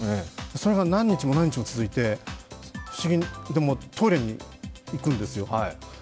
それが何日も何日も続いて不思議で、トイレに行くんですよ